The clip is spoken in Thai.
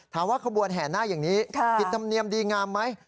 ถามว่าขบวนแห่หน้าอย่างนี้หนิธรรมเนียมดีงามไหม